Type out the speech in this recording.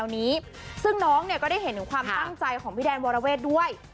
พี่น้องเนี่ยก็ได้เห็นถึงความตั้งใจของพี่แดนวาเลเวสด้วย